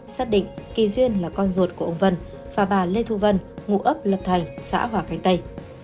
xác định kỳ duyên là con ruột của ông vân và bà lê thu vân ngụ ấp lập thành xã hòa khánh tây